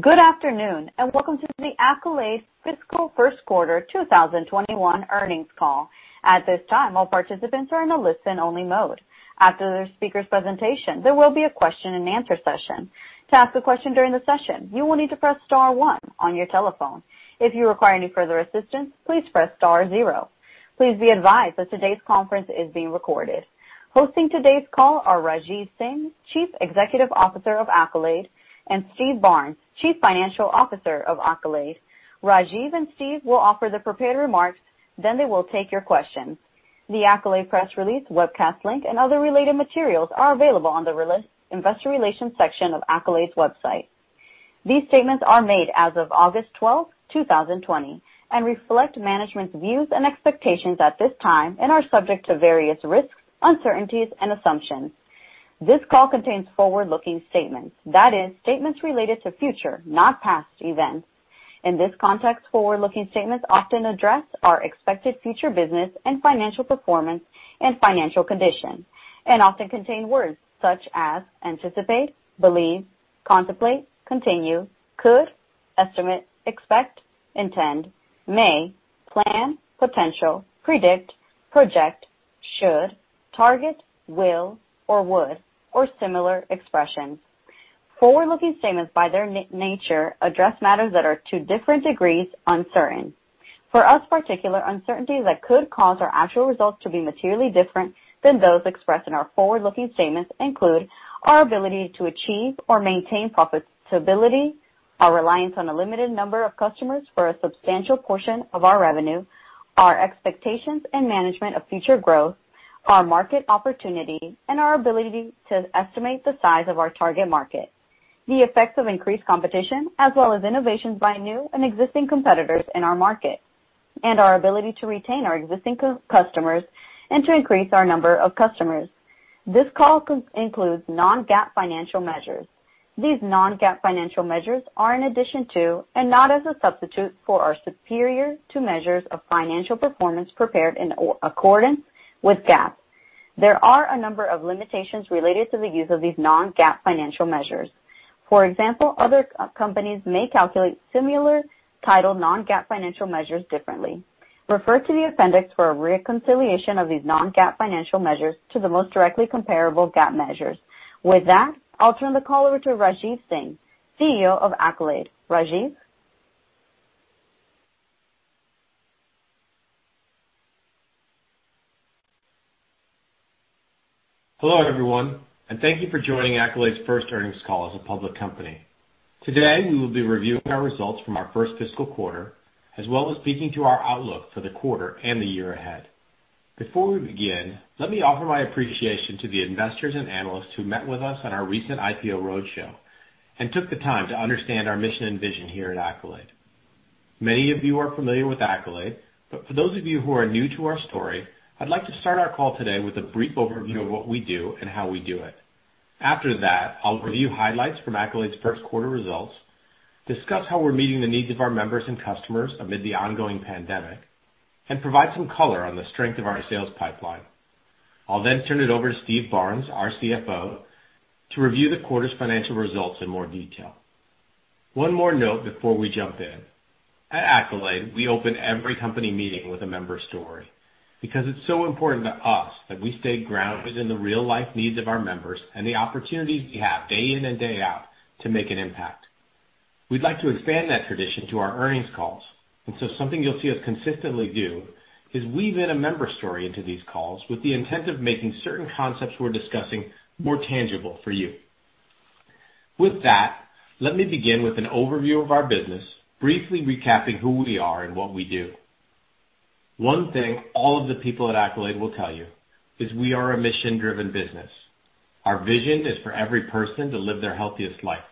Good afternoon, and welcome to the Accolade Fiscal First Quarter 2021 Earnings Call. At this time, all participants are in a listen-only mode. After the speaker's presentation, there will be a question-and-answer session. To ask a question during the session, you will need to press star one on your telephone. If you require any further assistance, please press star zero. Please be advised that today's conference is being recorded. Hosting today's call are Rajeev Singh, Chief Executive Officer of Accolade, and Steve Barnes, Chief Financial Officer of Accolade. Rajeev and Steve will offer the prepared remarks, then they will take your questions. The Accolade press release webcast link and other related materials are available on the Investor Relations section of Accolade's website. These statements are made as of August 12, 2020, and reflect management's views and expectations at this time and are subject to various risks, uncertainties, and assumptions. This call contains forward-looking statements, that is, statements related to future, not past events. In this context, forward-looking statements often address our expected future business and financial performance and financial condition, and often contain words such as "anticipate," "believe," "contemplate," "continue," "could," "estimate," "expect," "intend," "may," "plan," "potential," "predict," "project," "should," "target," "will," or "would," or similar expressions. Forward-looking statements, by their nature, address matters that are to different degrees uncertain. For us, particular uncertainty that could cause our actual results to be materially different than those expressed in our forward-looking statements include our ability to achieve or maintain profitability, our reliance on a limited number of customers for a substantial portion of our revenue, our expectations and management of future growth, our market opportunity, and our ability to estimate the size of our target market, the effects of increased competition, as well as innovations by new and existing competitors in our market, and our ability to retain our existing customers and to increase our number of customers. This call includes non-GAAP financial measures. These non-GAAP financial measures are in addition to, and not as a substitute for, our superior to measures of financial performance prepared in accordance with GAAP. There are a number of limitations related to the use of these non-GAAP financial measures. For example, other companies may calculate similar titled non-GAAP financial measures differently. Refer to the appendix for a reconciliation of these non-GAAP financial measures to the most directly comparable GAAP measures. With that, I'll turn the call over to Rajeev Singh, CEO of Accolade. Rajeev? Hello, everyone, and thank you for joining Accolade's first earnings call as a public company. Today, we will be reviewing our results from our first fiscal quarter, as well as speaking to our outlook for the quarter and the year ahead. Before we begin, let me offer my appreciation to the investors and analysts who met with us on our recent IPO roadshow and took the time to understand our mission and vision here at Accolade. Many of you are familiar with Accolade, but for those of you who are new to our story, I'd like to start our call today with a brief overview of what we do and how we do it. After that, I'll review highlights from Accolade's first quarter results, discuss how we're meeting the needs of our members and customers amid the ongoing pandemic, and provide some color on the strength of our sales pipeline. I'll then turn it over to Steve Barnes, our CFO, to review the quarter's financial results in more detail. One more note before we jump in. At Accolade, we open every company meeting with a member story because it's so important to us that we stay grounded in the real-life needs of our members and the opportunities we have day in and day out to make an impact. We'd like to expand that tradition to our earnings calls, and so something you'll see us consistently do is weave in a member story into these calls with the intent of making certain concepts we're discussing more tangible for you. With that, let me begin with an overview of our business, briefly recapping who we are and what we do. One thing all of the people at Accolade will tell you is we are a mission-driven business. Our vision is for every person to live their healthiest life.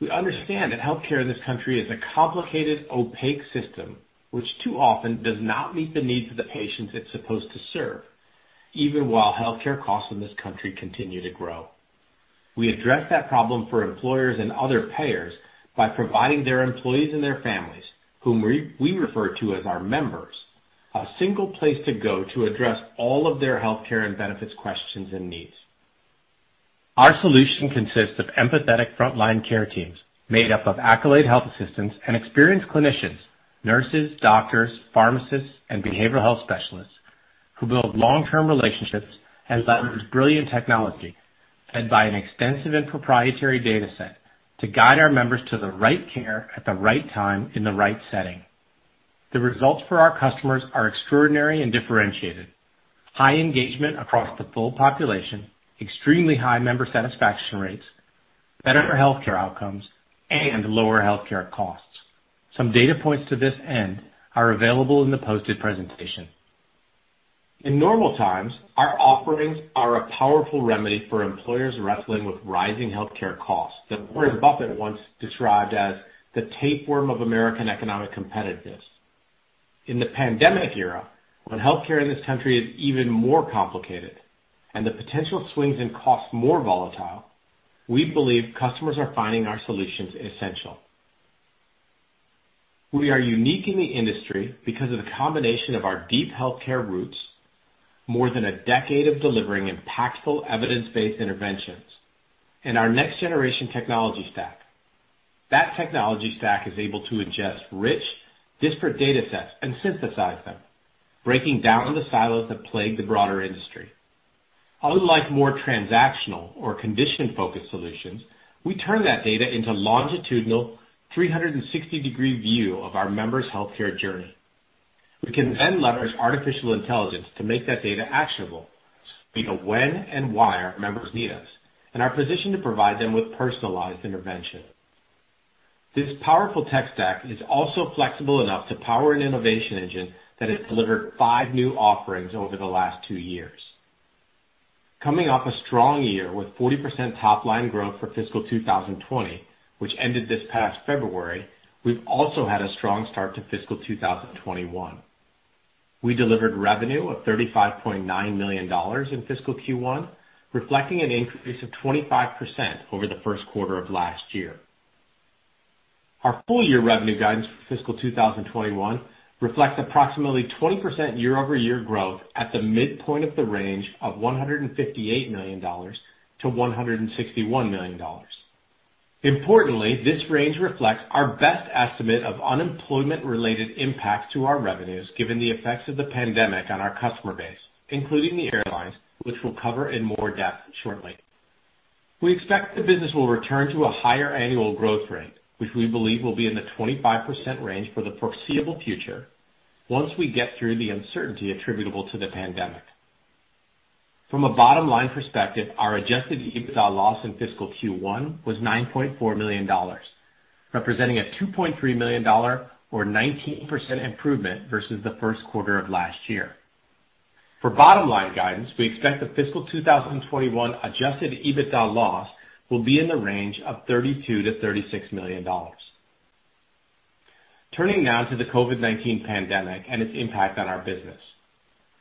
We understand that healthcare in this country is a complicated, opaque system which too often does not meet the needs of the patients it's supposed to serve, even while healthcare costs in this country continue to grow. We address that problem for employers and other payers by providing their employees and their families, whom we refer to as our members, a single place to go to address all of their healthcare and benefits questions and needs. Our solution consists of empathetic frontline care teams made up of Accolade Health Assistants and experienced clinicians, nurses, doctors, pharmacists, and behavioral health specialists who build long-term relationships and leverage brilliant technology and by an extensive and proprietary data set to guide our members to the right care at the right time in the right setting. The results for our customers are extraordinary and differentiated. High engagement across the full population, extremely high member satisfaction rates, better healthcare outcomes, and lower healthcare costs. Some data points to this end are available in the posted presentation. In normal times, our offerings are a powerful remedy for employers wrestling with rising healthcare costs that Warren Buffett once described as the tapeworm of American economic competitiveness. In the pandemic era, when healthcare in this country is even more complicated and the potential swings in costs more volatile, we believe customers are finding our solutions essential. We are unique in the industry because of the combination of our deep healthcare roots, more than a decade of delivering impactful evidence-based interventions, and our next-generation technology stack. That technology stack is able to ingest rich, disparate data sets and synthesize them, breaking down the silos that plague the broader industry. Unlike more transactional or condition-focused solutions, we turn that data into a longitudinal 360-degree view of our members' healthcare journey. We can then leverage artificial intelligence to make that data actionable so we know when and why our members need us, and are positioned to provide them with personalized intervention. This powerful tech stack is also flexible enough to power an innovation engine that has delivered five new offerings over the last two years. Coming off a strong year with 40% top-line growth for fiscal 2020, which ended this past February, we've also had a strong start to fiscal 2021. We delivered revenue of $35.9 million in fiscal Q1, reflecting an increase of 25% over the first quarter of last year. Our full-year revenue guidance for fiscal 2021 reflects approximately 20% year-over-year growth at the midpoint of the range of $158 million to $161 million. Importantly, this range reflects our best estimate of unemployment-related impacts to our revenues, given the effects of the pandemic on our customer base, including the airlines, which we'll cover in more depth shortly. We expect the business will return to a higher annual growth rate, which we believe will be in the 25% range for the foreseeable future, once we get through the uncertainty attributable to the pandemic. From a bottom-line perspective, our adjusted EBITDA loss in fiscal Q1 was $9.4 million, representing a $2.3 million or 19% improvement versus the first quarter of last year. For bottom-line guidance, we expect the fiscal 2021 adjusted EBITDA loss will be in the range of $32 million to $36 million. Turning now to the COVID-19 pandemic and its impact on our business.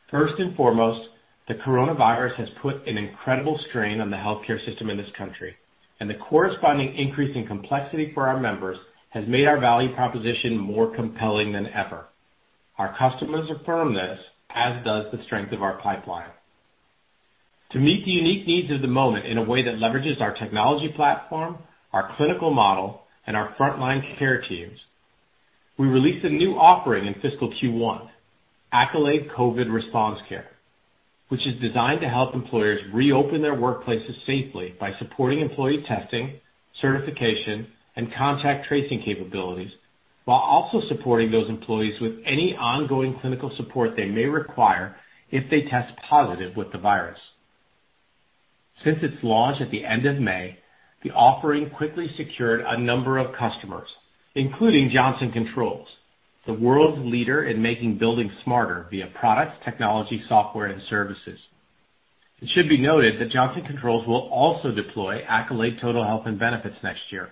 First and foremost, the coronavirus has put an incredible strain on the healthcare system in this country. The corresponding increase in complexity for our members has made our value proposition more compelling than ever. Our customers affirm this, as does the strength of our pipeline. To meet the unique needs of the moment in a way that leverages our technology platform, our clinical model, and our frontline care teams, we released a new offering in fiscal Q1, Accolade COVID Response Care, which is designed to help employers reopen their workplaces safely by supporting employee testing, certification, and contact tracing capabilities while also supporting those employees with any ongoing clinical support they may require if they test positive with the virus. Since its launch at the end of May, the offering quickly secured a number of customers, including Johnson Controls, the world's leader in making buildings smarter via products, technology, software, and services. It should be noted that Johnson Controls will also deploy Accolade Total Health and Benefits next year.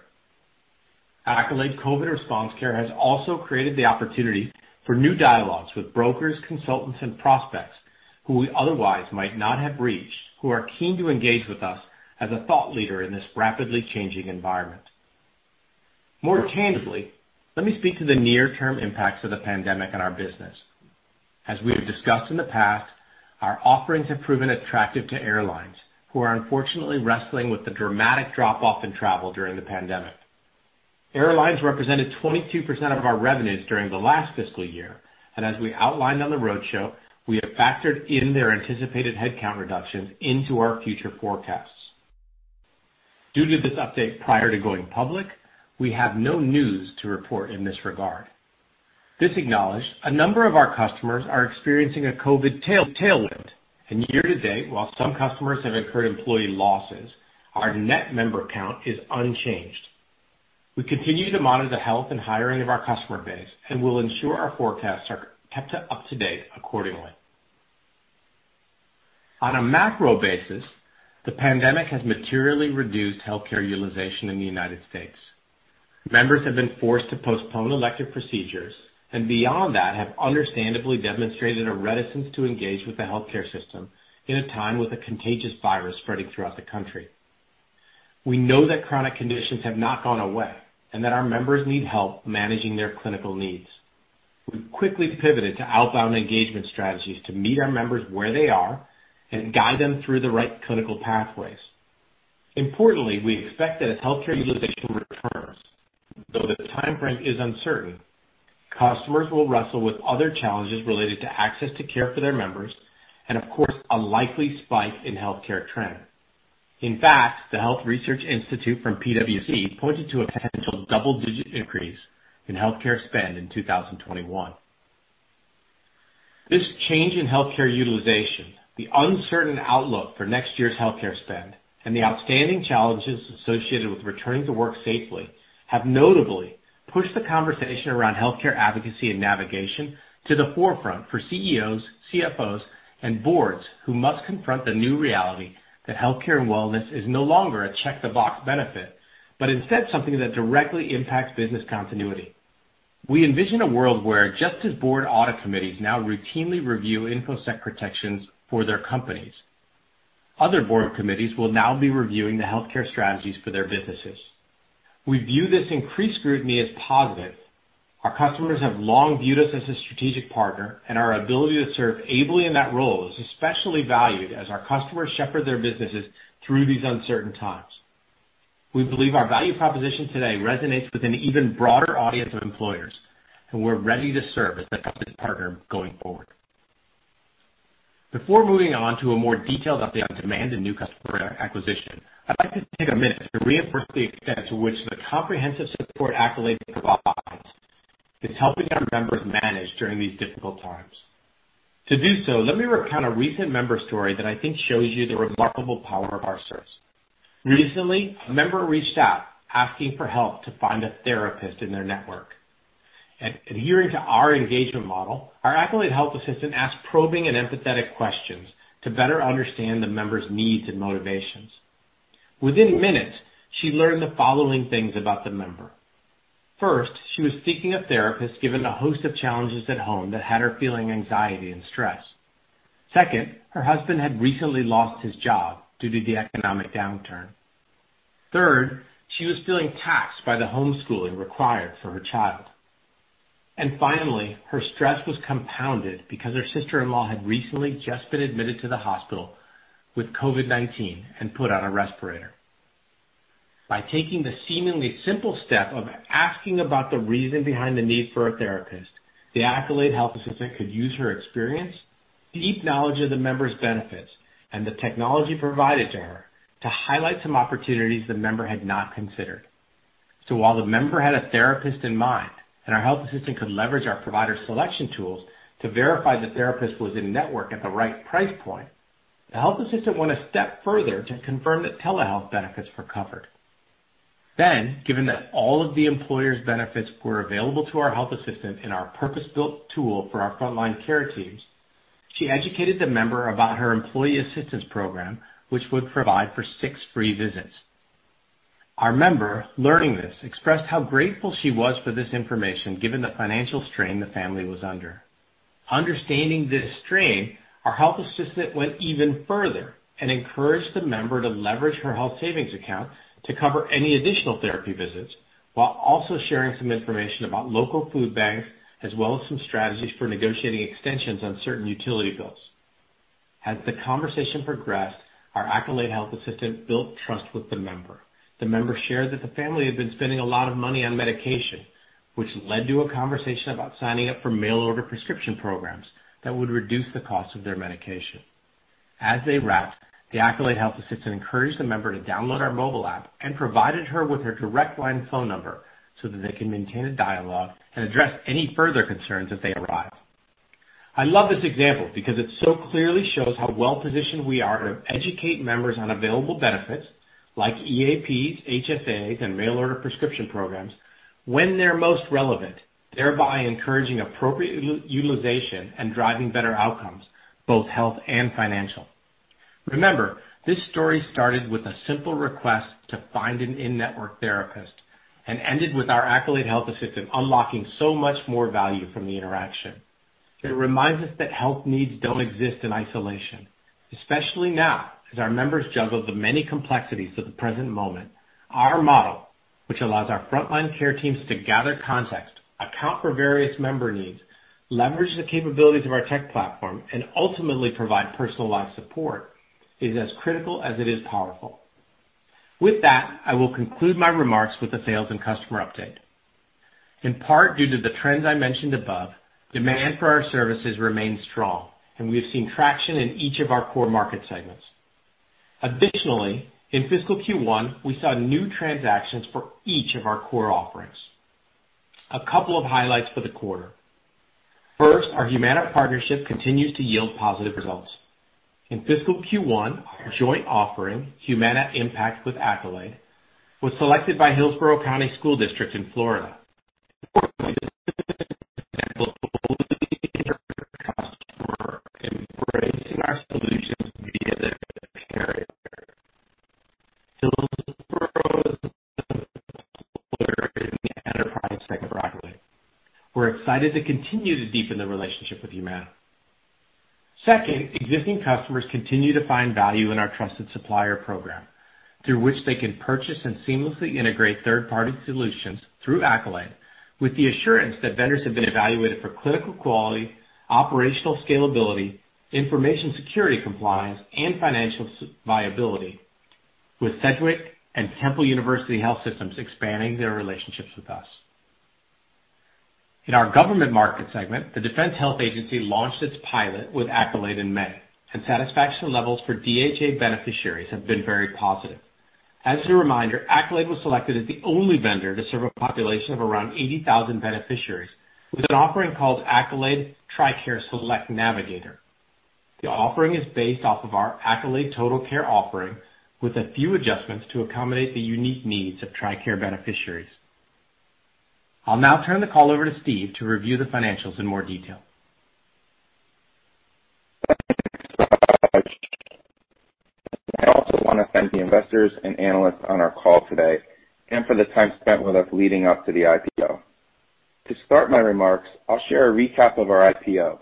Accolade COVID Response Care has also created the opportunity for new dialogues with brokers, consultants, and prospects who we otherwise might not have reached, who are keen to engage with us as a thought leader in this rapidly changing environment. More tangibly, let me speak to the near-term impacts of the pandemic on our business. As we have discussed in the past, our offerings have proven attractive to airlines, who are unfortunately wrestling with the dramatic drop-off in travel during the pandemic. Airlines represented 22% of our revenues during the last fiscal year, and as we outlined on the roadshow, we have factored in their anticipated headcount reductions into our future forecasts. Due to this update prior to going public, we have no news to report in this regard. This acknowledged, a number of our customers are experiencing a COVID tailwind, and year to date, while some customers have incurred employee losses, our net member count is unchanged. We continue to monitor the health and hiring of our customer base and will ensure our forecasts are kept up to date accordingly. On a macro basis, the pandemic has materially reduced healthcare utilization in the United States. Members have been forced to postpone elective procedures, and beyond that, have understandably demonstrated a reticence to engage with the healthcare system in a time with a contagious virus spreading throughout the country. We know that chronic conditions have not gone away, and that our members need help managing their clinical needs. We've quickly pivoted to outbound engagement strategies to meet our members where they are and guide them through the right clinical pathways. Importantly, we expect that as healthcare utilization returns, though the timeframe is uncertain, customers will wrestle with other challenges related to access to care for their members, and of course, a likely spike in healthcare trend. In fact, the Health Research Institute from PwC pointed to a potential double-digit increase in healthcare spend in 2021. This change in healthcare utilization, the uncertain outlook for next year's healthcare spend, and the outstanding challenges associated with returning to work safely have notably pushed the conversation around healthcare advocacy and navigation to the forefront for CEOs, CFOs, and boards who must confront the new reality that healthcare and wellness is no longer a check-the-box benefit, but instead something that directly impacts business continuity. We envision a world where just as board audit committees now routinely review infosec protections for their companies. Other board committees will now be reviewing the healthcare strategies for their businesses. We view this increased scrutiny as positive. Our customers have long viewed us as a strategic partner, and our ability to serve ably in that role is especially valued as our customers shepherd their businesses through these uncertain times. We believe our value proposition today resonates with an even broader audience of employers, and we're ready to serve as that partner going forward. Before moving on to a more detailed update on demand and new customer acquisition, I'd like to take a minute to reinforce the extent to which the comprehensive support Accolade provides is helping our members manage during these difficult times. To do so, let me recount a recent member story that I think shows you the remarkable power of our service. Recently, a member reached out, asking for help to find a therapist in their network. Adhering to our engagement model, our Accolade Health Assistant asked probing and empathetic questions to better understand the member's needs and motivations. Within minutes, she learned the following things about the member. She was seeking a therapist given a host of challenges at home that had her feeling anxiety and stress. Her husband had recently lost his job due to the economic downturn. She was feeling taxed by the homeschooling required for her child. Her stress was compounded because her sister-in-law had recently just been admitted to the hospital with COVID-19 and put on a respirator. By taking the seemingly simple step of asking about the reason behind the need for a therapist, the Accolade Health Assistant could use her experience, deep knowledge of the member's benefits, and the technology provided to her to highlight some opportunities the member had not considered. While the member had a therapist in mind, and our Health Assistant could leverage our provider selection tools to verify the therapist was in-network at the right price point, the Health Assistant went a step further to confirm that telehealth benefits were covered. Given that all of the employer's benefits were available to our Health Assistant in our purpose-built tool for our frontline care teams, she educated the member about her Employee Assistance Program, which would provide for six free visits. Our member, learning this, expressed how grateful she was for this information, given the financial strain the family was under. Understanding this strain, our Health Assistant went even further and encouraged the member to leverage her Health Savings Account to cover any additional therapy visits, while also sharing some information about local food banks, as well as some strategies for negotiating extensions on certain utility bills. As the conversation progressed, our Accolade Health Assistant built trust with the member. The member shared that the family had been spending a lot of money on medication, which led to a conversation about signing up for mail-order prescription programs that would reduce the cost of their medication. As they wrapped, the Accolade Health Assistant encouraged the member to download our mobile app and provided her with her direct line phone number so that they can maintain a dialogue and address any further concerns as they arrive. I love this example because it so clearly shows how well-positioned we are to educate members on available benefits like EAPs, HSAs, and mail-order prescription programs when they're most relevant, thereby encouraging appropriate utilization and driving better outcomes, both health and financial. Remember, this story started with a simple request to find an in-network therapist, and ended with our Accolade Health Assistant unlocking so much more value from the interaction. It reminds us that health needs don't exist in isolation. Especially now, as our members juggle the many complexities of the present moment. Our model, which allows our frontline care teams to gather context, account for various member needs, leverage the capabilities of our tech platform, and ultimately provide personalized support, is as critical as it is powerful. With that, I will conclude my remarks with the sales and customer update. In part, due to the trends I mentioned above, demand for our services remains strong, and we have seen traction in each of our core market segments. Additionally, in fiscal Q1, we saw new transactions for each of our core offerings. A couple of highlights for the quarter. First, our Humana partnership continues to yield positive results. In fiscal Q1, our joint offering, Humana Impact with Accolade, was selected by Hillsborough County School District in Florida. Importantly, this is an example of a fully integrated customer embracing our solutions via their carrier. Hillsborough is an important employer in the enterprise segment for Accolade. We're excited to continue to deepen the relationship with Humana. Second, existing customers continue to find value in our Trusted Supplier Program, through which they can purchase and seamlessly integrate third-party solutions through Accolade with the assurance that vendors have been evaluated for clinical quality, operational scalability, information security compliance, and financial viability. With Sedgwick and Temple University Health Systems expanding their relationships with us. In our government market segment, the Defense Health Agency launched its pilot with Accolade in May, and satisfaction levels for DHA beneficiaries have been very positive. As a reminder, Accolade was selected as the only vendor to serve a population of around 80,000 beneficiaries with an offering called Accolade TRICARE Select Navigator. The offering is based off of our Accolade Total Care offering with a few adjustments to accommodate the unique needs of TRICARE beneficiaries. I'll now turn the call over to Steve to review the financials in more detail. Thanks so much. I also want to thank the investors and analysts on our call today, and for the time spent with us leading up to the IPO. To start my remarks, I'll share a recap of our IPO.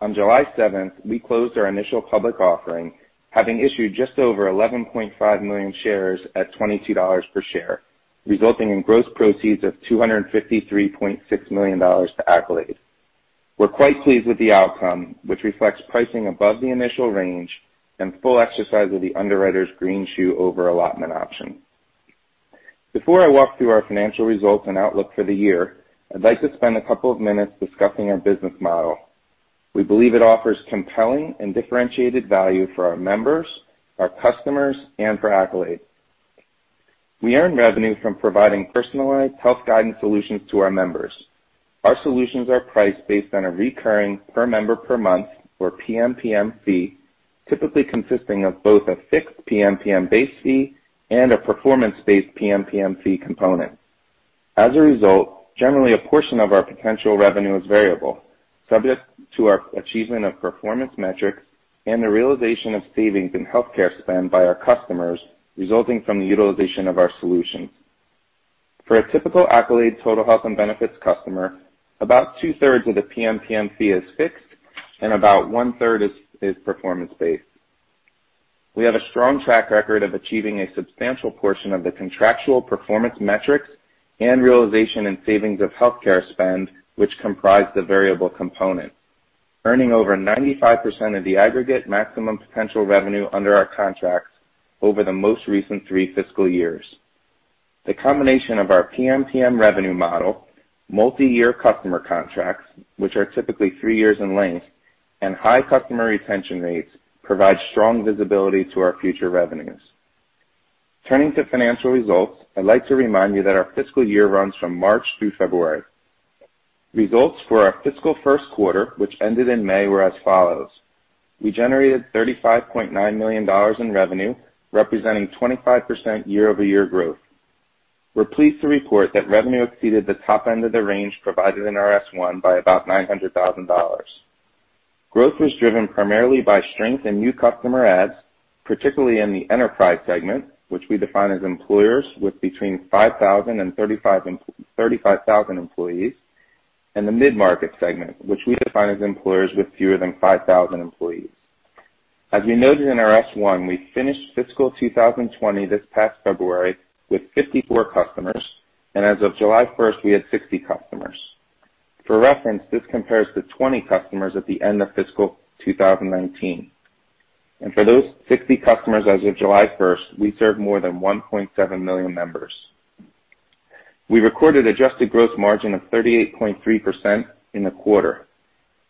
On July seventh, we closed our initial public offering, having issued just over 11.5 million shares at $22 per share, resulting in gross proceeds of $253.6 million to Accolade. We're quite pleased with the outcome, which reflects pricing above the initial range and full exercise of the underwriter's greenshoe over-allotment option. Before I walk through our financial results and outlook for the year, I'd like to spend a couple of minutes discussing our business model. We believe it offers compelling and differentiated value for our members, our customers, and for Accolade. We earn revenue from providing personalized health guidance solutions to our members. Our solutions are priced based on a recurring per member per month, or PMPM fee, typically consisting of both a fixed PMPM base fee and a performance-based PMPM fee component. Generally a portion of our potential revenue is variable, subject to our achievement of performance metrics and the realization of savings in healthcare spend by our customers resulting from the utilization of our solutions. For a typical Accolade Total Health and Benefits customer, about two-thirds of the PMPM fee is fixed and about one-third is performance-based. We have a strong track record of achieving a substantial portion of the contractual performance metrics and realization in savings of healthcare spend which comprise the variable component, earning over 95% of the aggregate maximum potential revenue under our contracts over the most recent three fiscal years. The combination of our PMPM revenue model, multi-year customer contracts, which are typically three years in length, and high customer retention rates provide strong visibility to our future revenues. Turning to financial results, I'd like to remind you that our fiscal year runs from March through February. Results for our fiscal first quarter, which ended in May, were as follows. We generated $35.9 million in revenue, representing 25% year-over-year growth. We're pleased to report that revenue exceeded the top end of the range provided in our S1 by about $900,000. Growth was driven primarily by strength in new customer adds, particularly in the enterprise segment, which we define as employers with between 5,000 and 35,000 employees, and the mid-market segment, which we define as employers with fewer than 5,000 employees. As we noted in our S1, we finished fiscal 2020 this past February with 54 customers. As of July 1st, we had 60 customers. For reference, this compares to 20 customers at the end of fiscal 2019. For those 60 customers as of July 1st, we served more than 1.7 million members. We recorded adjusted gross margin of 38.3% in the quarter.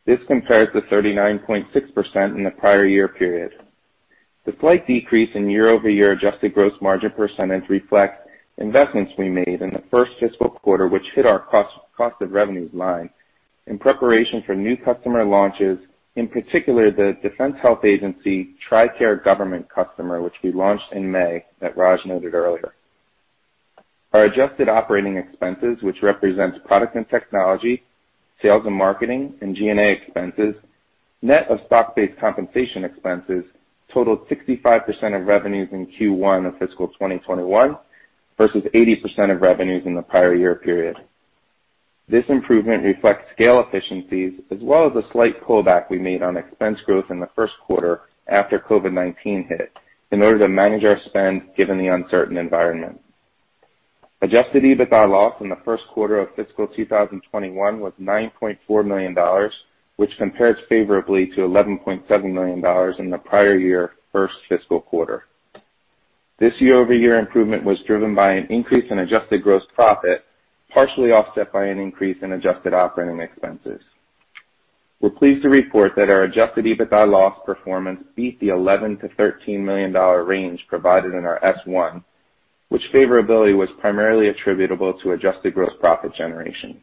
This compares to 39.6% in the prior year period. The slight decrease in year-over-year adjusted gross margin percentage reflects investments we made in the first fiscal quarter which hit our cost of revenues line in preparation for new customer launches, in particular, the Defense Health Agency TRICARE government customer which we launched in May that Raj noted earlier. Our adjusted operating expenses, which represents product and technology, sales and marketing, and G&A expenses, net of stock-based compensation expenses, totaled 65% of revenues in Q1 of fiscal 2021 versus 80% of revenues in the prior year period. This improvement reflects scale efficiencies as well as a slight pullback we made on expense growth in the first quarter after COVID-19 hit in order to manage our spend given the uncertain environment. Adjusted EBITDA loss in the first quarter of fiscal 2021 was $9.4 million, which compares favorably to $11.7 million in the prior year first fiscal quarter. This year-over-year improvement was driven by an increase in adjusted gross profit, partially offset by an increase in adjusted operating expenses. We're pleased to report that our adjusted EBITDA loss performance beat the $11 million to $13 million range provided in our S1, which favorability was primarily attributable to adjusted gross profit generation.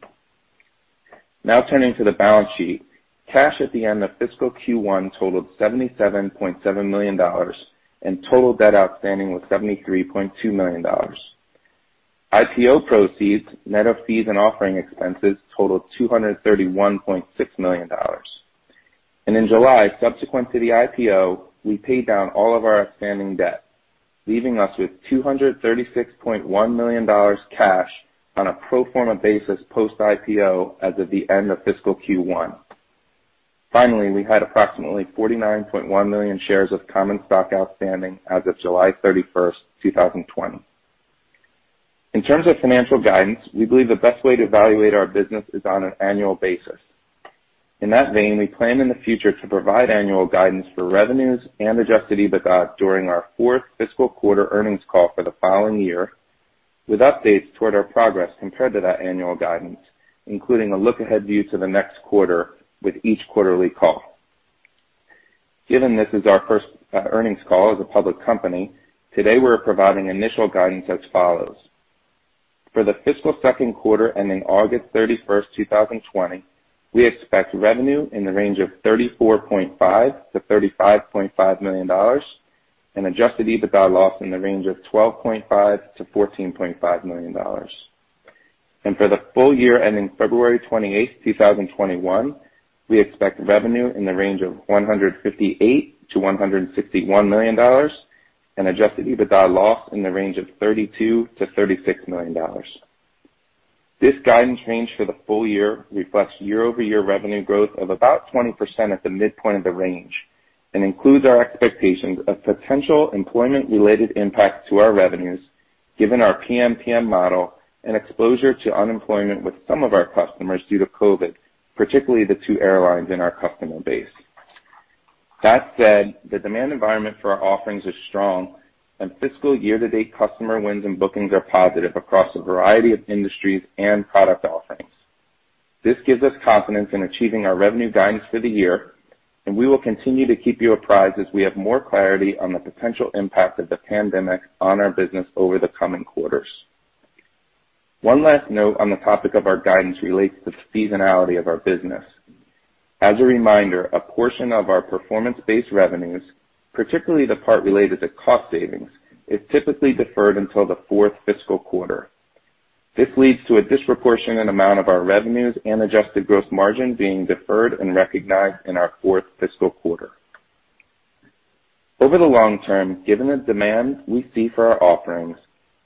Now turning to the balance sheet. Cash at the end of fiscal Q1 totaled $77.7 million, and total debt outstanding was $73.2 million. IPO proceeds, net of fees and offering expenses, totaled $231.6 million. In July, subsequent to the IPO, we paid down all of our outstanding debt, leaving us with $236.1 million cash on a pro forma basis post-IPO as of the end of fiscal Q1. Finally, we had approximately 49.1 million shares of common stock outstanding as of July 31st, 2020. In terms of financial guidance, we believe the best way to evaluate our business is on an annual basis. In that vein, we plan in the future to provide annual guidance for revenues and adjusted EBITDA during our fourth fiscal quarter earnings call for the following year with updates toward our progress compared to that annual guidance, including a look-ahead view to the next quarter with each quarterly call. Given this is our first earnings call as a public company, today we're providing initial guidance as follows. For the fiscal second quarter ending August 31st, 2020, we expect revenue in the range of $34.5 million to $35.5 million and adjusted EBITDA loss in the range of $12.5 million to $14.5 million. For the full-year ending February 28th, 2021, we expect revenue in the range of $158 million to $161 million and adjusted EBITDA loss in the range of $32 million to $36 million. This guidance range for the full-year reflects year-over-year revenue growth of about 20% at the midpoint of the range and includes our expectations of potential employment-related impact to our revenues, given our PMPM model and exposure to unemployment with some of our customers due to COVID, particularly the two airlines in our customer base. That said, the demand environment for our offerings is strong and fiscal year-to-date customer wins and bookings are positive across a variety of industries and product offerings. This gives us confidence in achieving our revenue guidance for the year, and we will continue to keep you apprised as we have more clarity on the potential impact of the pandemic on our business over the coming quarters. One last note on the topic of our guidance relates to the seasonality of our business. As a reminder, a portion of our performance-based revenues, particularly the part related to cost savings, is typically deferred until the fourth fiscal quarter. This leads to a disproportionate amount of our revenues and adjusted gross margin being deferred and recognized in our fourth fiscal quarter. Over the long term, given the demand we see for our offerings,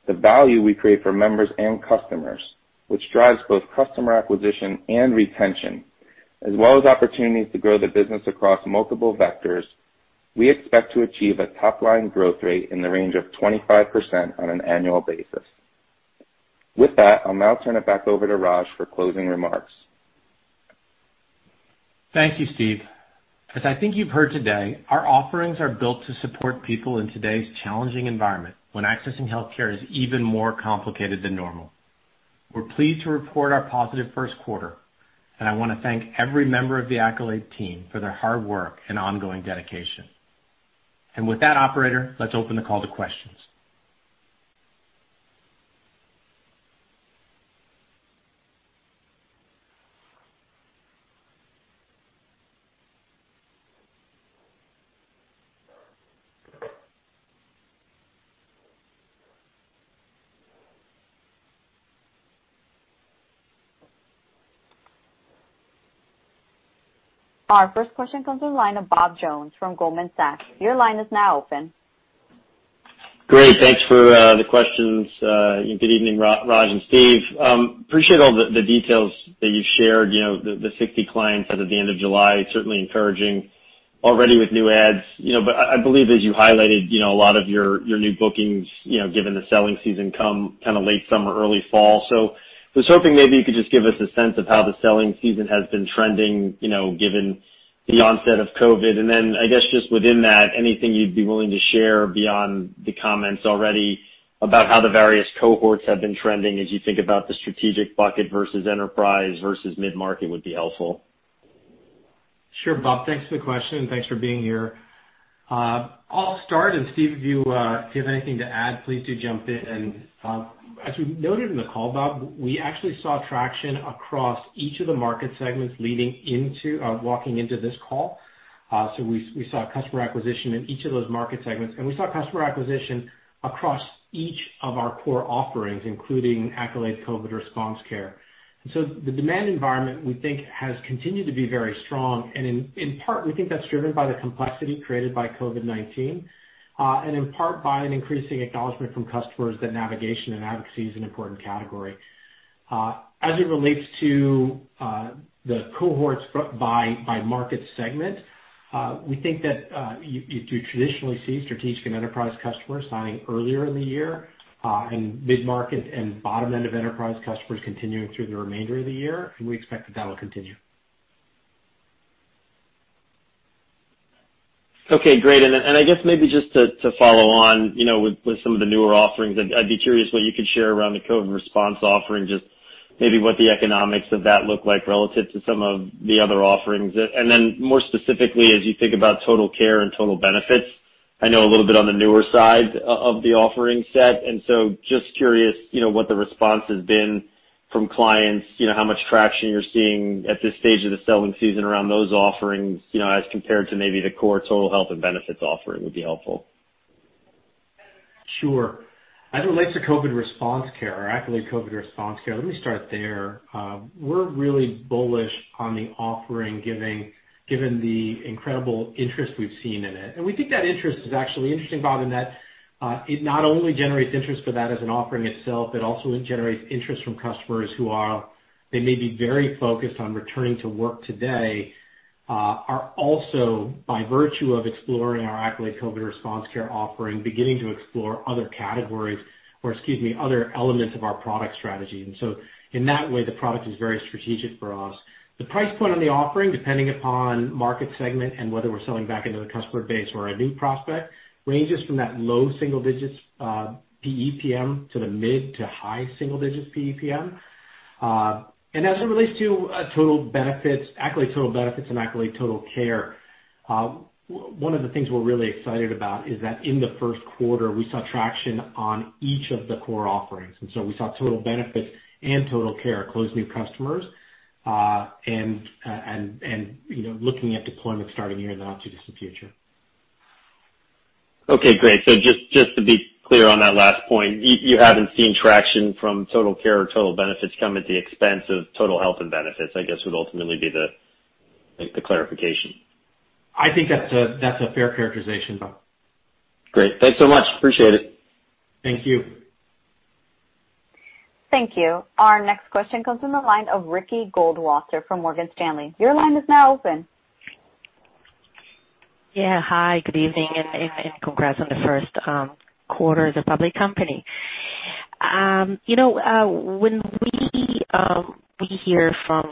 the value we create for members and customers, which drives both customer acquisition and retention, as well as opportunities to grow the business across multiple vectors, we expect to achieve a top-line growth rate in the range of 25% on an annual basis. With that, I'll now turn it back over to Raj for closing remarks. Thank you, Steve. As I think you've heard today, our offerings are built to support people in today's challenging environment when accessing healthcare is even more complicated than normal. We're pleased to report our positive first quarter. I want to thank every member of the Accolade team for their hard work and ongoing dedication. With that, operator, let's open the call to questions. Our first question comes to the line of Bob Jones from Goldman Sachs. Great. Thanks for the questions. Good evening, Raj and Steve. Appreciate all the details that you've shared. The 60 clients as of the end of July, certainly encouraging already with new adds. I believe as you highlighted, a lot of your new bookings, given the selling season, come late summer, early fall. I was hoping maybe you could just give us a sense of how the selling season has been trending, given the onset of COVID-19. I guess just within that, anything you'd be willing to share beyond the comments already about how the various cohorts have been trending as you think about the strategic bucket versus enterprise versus mid-market would be helpful. Sure, Bob. Thanks for the question, and thanks for being here. I'll start, and Steve, if you have anything to add, please do jump in. As we noted in the call, Bob, we actually saw traction across each of the market segments leading into, walking into this call. We saw customer acquisition in each of those market segments, and we saw customer acquisition across each of our core offerings, including Accolade COVID Response Care. The demand environment, we think, has continued to be very strong. In part, we think that's driven by the complexity created by COVID-19, and in part by an increasing acknowledgement from customers that navigation and advocacy is an important category. As it relates to the cohorts by market segment, we think that you do traditionally see strategic and enterprise customers signing earlier in the year, and mid-market and bottom end of enterprise customers continuing through the remainder of the year. We expect that will continue. Okay, great. I guess maybe just to follow on with some of the newer offerings, I'd be curious what you could share around the COVID Response offering, just maybe what the economics of that look like relative to some of the other offerings. Then more specifically, as you think about Total Care and Total Benefits, I know a little bit on the newer side of the offering set, and so just curious what the response has been from clients, how much traction you're seeing at this stage of the selling season around those offerings, as compared to maybe the core Total Health and Benefits offering would be helpful. Sure. As it relates to COVID Response Care or Accolade COVID Response Care, let me start there. We're really bullish on the offering given the incredible interest we've seen in it. We think that interest is actually interesting, Bob, in that it not only generates interest for that as an offering itself, but also it generates interest from customers who they may be very focused on returning to work today, are also, by virtue of exploring our Accolade COVID Response Care offering, beginning to explore other categories, or excuse me, other elements of our product strategy. In that way, the product is very strategic for us. The price point on the offering, depending upon market segment and whether we're selling back into the customer base or a new prospect, ranges from that low single-digits PEPM to the mid to high single-digits PEPM. As it relates to Total Benefits, Accolade Total Benefits, and Accolade Total Care, one of the things we're really excited about is that in the first quarter, we saw traction on each of the core offerings. We saw Total Benefits and Total Care close new customers, and looking at deployment starting here in the not-too-distant future. Okay, great. Just to be clear on that last point, you haven't seen traction from Total Care or Total Benefits come at the expense of Total Health and Benefits, I guess would ultimately be the clarification. I think that's a fair characterization, Bob. Great. Thanks so much. Appreciate it. Thank you. Thank you. Our next question comes from the line of Ricky Goldwasser from Morgan Stanley. Your line is now open. Yeah. Hi, good evening, and congrats on the first quarter as a public company. When we hear from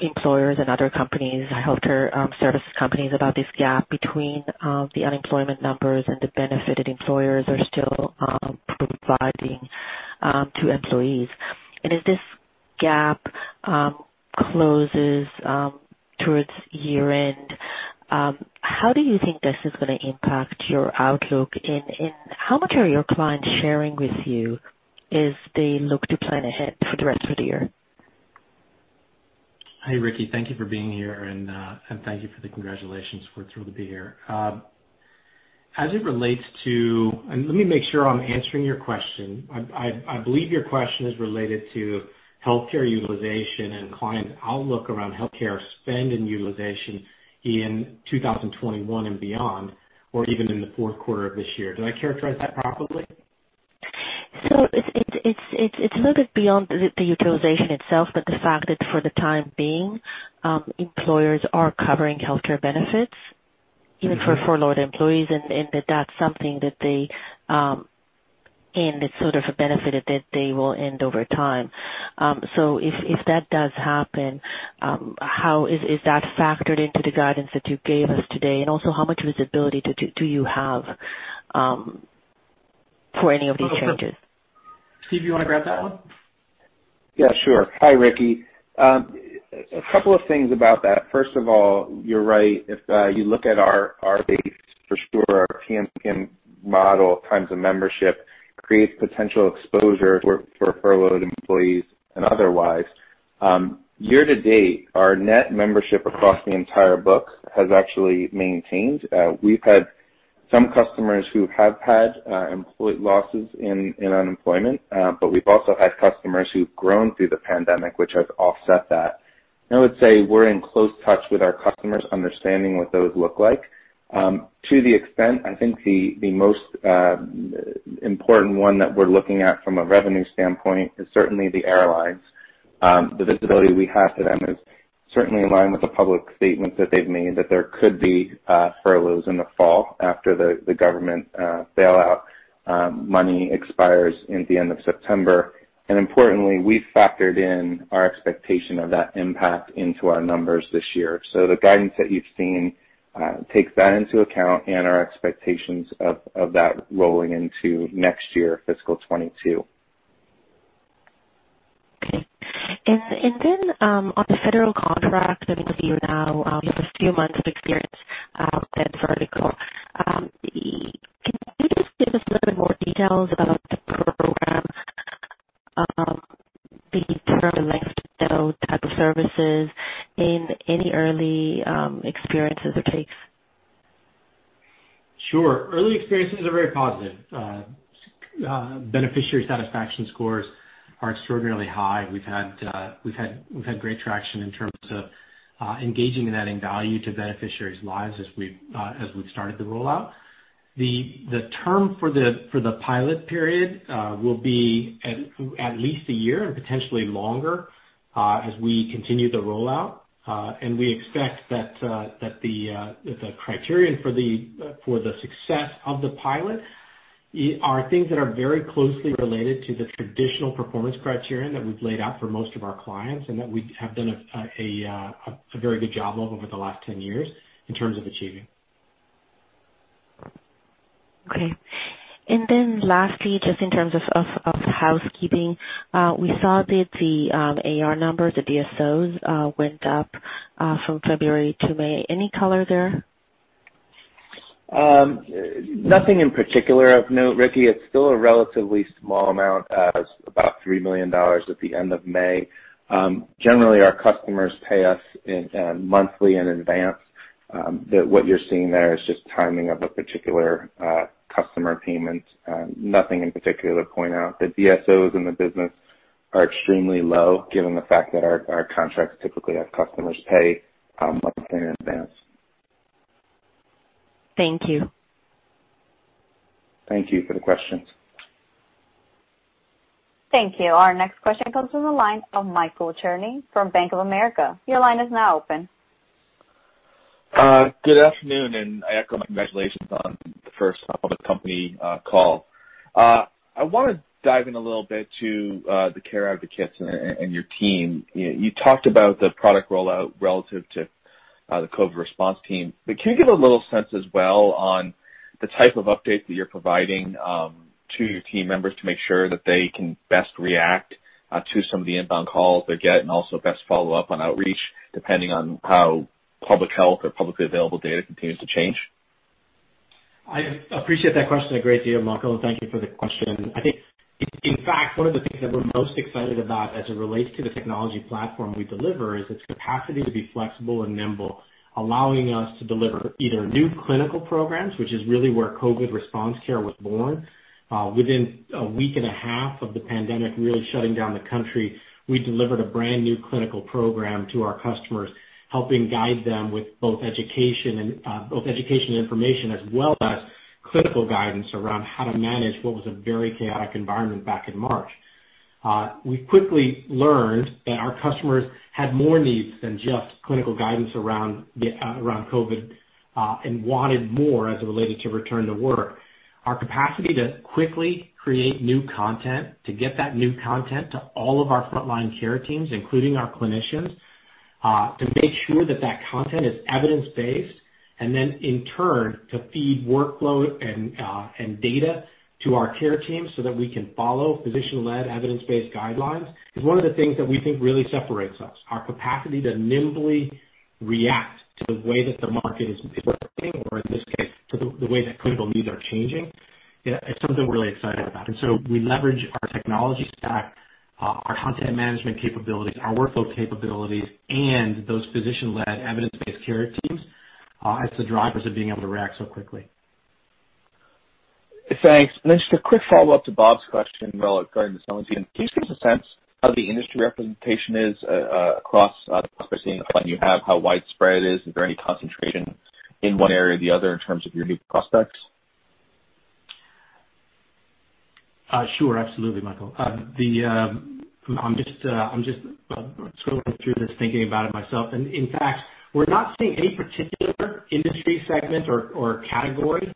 employers and other companies, healthcare service companies, about this gap between the unemployment numbers and the benefit that employers are still providing to employees, and as this gap closes towards year-end, how do you think this is going to impact your outlook in, how much are your clients sharing with you as they look to plan ahead for the rest of the year? Hi, Ricky. Thank you for being here, and thank you for the congratulations. We're thrilled to be here. Let me make sure I'm answering your question. I believe your question is related to healthcare utilization and client outlook around healthcare spend and utilization in 2021 and beyond, or even in the fourth quarter of this year. Do I characterize that properly? It's a little bit beyond the utilization itself, but the fact that for the time being, employers are covering healthcare benefits even for furloughed employees, and that's something that's sort of a benefit that they will end over time. If that does happen, is that factored into the guidance that you gave us today? Also, how much visibility do you have for any of these changes? Steve, you want to grab that one? Yeah, sure. Hi, Ricky. A couple of things about that. You're right. If you look at our base for sure, our PMPM model, times of membership, creates potential exposure for furloughed employees and otherwise. Year to date, our net membership across the entire book has actually maintained. We've had some customers who have had employee losses in unemployment. We've also had customers who've grown through the COVID-19 pandemic, which has offset that. I would say we're in close touch with our customers, understanding what those look like. To the extent, I think the most important one that we're looking at from a revenue standpoint is certainly the airlines. The visibility we have to them is certainly in line with the public statements that they've made, that there could be furloughs in the fall after the government bailout money expires at the end of September. Importantly, we factored in our expectation of that impact into our numbers this year. The guidance that you've seen takes that into account and our expectations of that rolling into next year, fiscal 2022. Okay. On the federal contract that is with you now, with a few months of experience in that vertical, can you just give us a little bit more details about the program, the term length, bill type of services, and any early experiences it takes? Sure. Early experiences are very positive. Beneficiary satisfaction scores are extraordinarily high. We've had great traction in terms of engaging and adding value to beneficiaries' lives as we've started the rollout. The term for the pilot period will be at least a year and potentially longer as we continue the rollout. We expect that the criterion for the success of the pilot are things that are very closely related to the traditional performance criterion that we've laid out for most of our clients and that we have done a very good job of over the last 10 years in terms of achieving. Okay. Lastly, just in terms of the housekeeping, we saw that the AR number, the DSOs, went up from February to May. Any color there? Nothing in particular of note, Ricky. It's still a relatively small amount, about $3 million at the end of May. Generally, our customers pay us monthly in advance, that what you're seeing there is just timing of a particular customer payment. Nothing in particular to point out. The DSOs in the business are extremely low given the fact that our contracts typically have customers pay monthly in advance. Thank you. Thank you for the questions. Thank you. Our next question comes from the line of Michael Cherny from Bank of America. Your line is now open. Good afternoon. I echo my congratulations on the first public company call. I want to dive in a little bit to the care advocates and your team. You talked about the product rollout relative to the COVID response team. Can you give a little sense as well on the type of updates that you're providing to your team members to make sure that they can best react to some of the inbound calls they get, and also best follow up on outreach, depending on how public health or publicly available data continues to change? I appreciate that question, and great to hear, Michael, and thank you for the question. I think, in fact, one of the things that we're most excited about as it relates to the technology platform we deliver is its capacity to be flexible and nimble, allowing us to deliver either new clinical programs, which is really where COVID Response Care was born. Within a week and a half of the pandemic really shutting down the country, we delivered a brand-new clinical program to our customers, helping guide them with both education and information, as well as clinical guidance around how to manage what was a very chaotic environment back in March. We quickly learned that our customers had more needs than just clinical guidance around COVID, and wanted more as it related to return to work. Our capacity to quickly create new content, to get that new content to all of our frontline care teams, including our clinicians, to make sure that that content is evidence-based, and then in turn, to feed workload and data to our care teams so that we can follow physician-led evidence-based guidelines, is one of the things that we think really separates us. Our capacity to nimbly react to the way that the market is working, or in this case, to the way that clinical needs are changing, it's something we're really excited about. We leverage our technology stack, our content management capabilities, our workflow capabilities, and those physician-led evidence-based care teams as the drivers of being able to react so quickly. Thanks. Just a quick follow-up to Bob's question regarding the selling team, can you give us a sense how the industry representation is across, especially in the plan you have, how widespread it is? Is there any concentration in one area or the other in terms of your new prospects? Sure. Absolutely, Michael. I'm just scrolling through this, thinking about it myself. In fact, we're not seeing any particular industry segment or category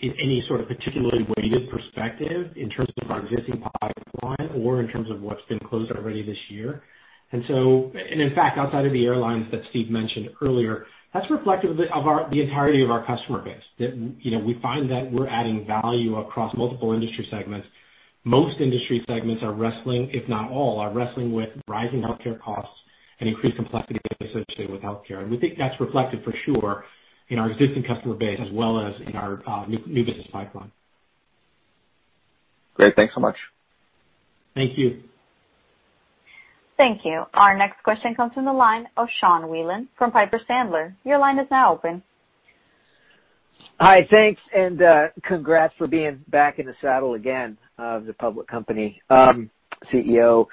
in any sort of particularly weighted perspective in terms of our existing pipeline or in terms of what's been closed already this year. In fact, outside of the airlines that Steve mentioned earlier, that's reflective of the entirety of our customer base. That we find that we're adding value across multiple industry segments. Most industry segments are wrestling, if not all, with rising healthcare costs and increased complexity associated with healthcare. We think that's reflected for sure in our existing customer base as well as in our new business pipeline. Great. Thanks so much. Thank you. Thank you. Our next question comes from the line of Sean Wieland from Piper Sandler. Your line is now open. Hi. Thanks, and congrats for being back in the saddle again of the public company CEO.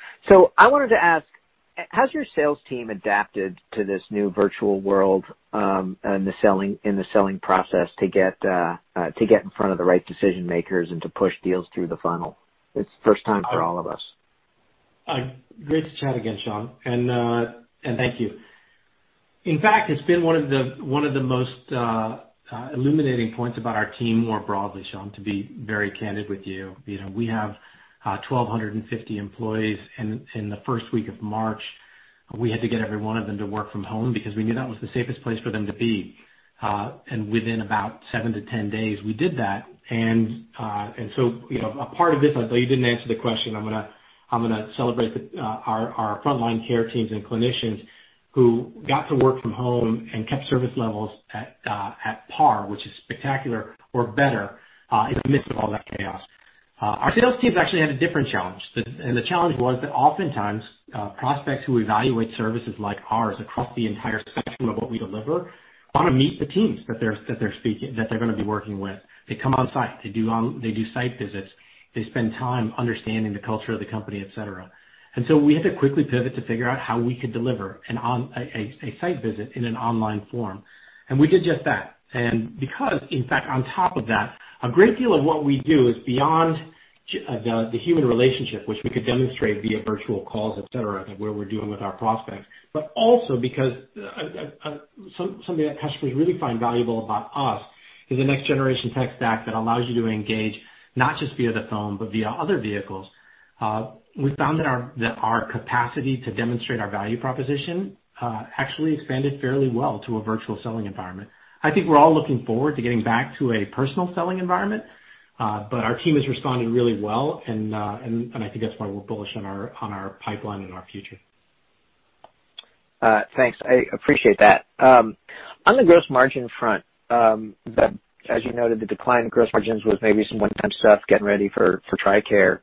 I wanted to ask, has your sales team adapted to this new virtual world in the selling process to get in front of the right decision-makers and to push deals through the funnel? It's the first time for all of us. Great to chat again, Sean, thank you. In fact, it's been one of the most illuminating points about our team more broadly, Sean, to be very candid with you. We have 1,250 employees. In the first week of March, we had to get every one of them to work from home because we knew that was the safest place for them to be. Within about seven to 10 days, we did that. A part of this, although you didn't answer the question, I'm going to celebrate our frontline care teams and clinicians who got to work from home and kept service levels at par, which is spectacular or better, in the midst of all that chaos. Our sales teams actually had a different challenge. The challenge was that oftentimes, prospects who evaluate services like ours across the entire spectrum of what we deliver, want to meet the teams that they're going to be working with. They come on site. They do site visits. They spend time understanding the culture of the company, et cetera. We had to quickly pivot to figure out how we could deliver a site visit in an online form. We did just that. Because, in fact, on top of that, a great deal of what we do is beyond the human relationship, which we could demonstrate via virtual calls, et cetera, where we're dealing with our prospects. Also because something that customers really find valuable about us is the next generation tech stack that allows you to engage not just via the phone, but via other vehicles. We found that our capacity to demonstrate our value proposition actually expanded fairly well to a virtual selling environment. I think we're all looking forward to getting back to a personal selling environment, but our team has responded really well, and I think that's why we're bullish on our pipeline and our future. Thanks. I appreciate that. On the gross margin front, as you noted, the decline in gross margins was maybe some one-time stuff, getting ready for TRICARE.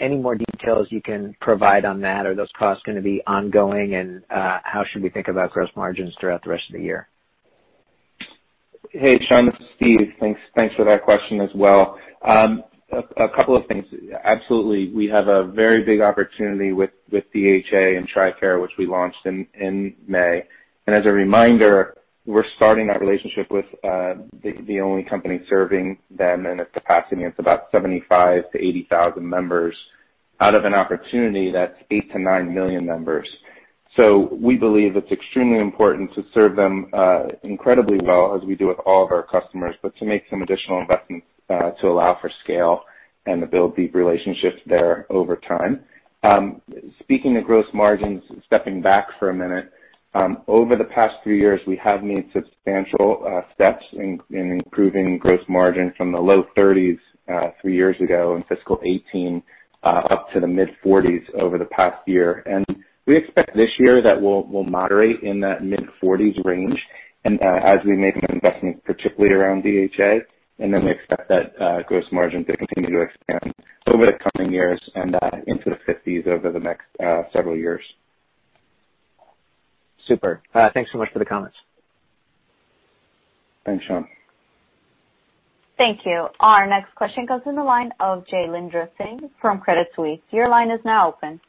Any more details you can provide on that? Are those costs going to be ongoing? How should we think about gross margins throughout the rest of the year? Hey, Sean, this is Steve. Thanks for that question as well. A couple of things. Absolutely, we have a very big opportunity with DHA and TRICARE, which we launched in May. As a reminder, we're starting that relationship with the only company serving them, and its capacity, it's about 75,000-80,000 members out of an opportunity that's 8 million to 9 million members. We believe it's extremely important to serve them incredibly well, as we do with all of our customers, but to make some additional investments to allow for scale and to build deep relationships there over time. Speaking of gross margins, stepping back for a minute, over the past three years, we have made substantial steps in improving gross margin from the low 30s three years ago in fiscal 2018, up to the mid-40s over the past year. We expect this year that we'll moderate in that mid-40s range. As we make an investments, particularly around DHA, we expect that gross margin to continue to expand over the coming years and into the 50s over the next several years. Super. Thanks so much for the comments. Thanks, Sean. Thank you. Our next question goes to the line of Jailendra Singh from Credit Suisse. Your line is now open.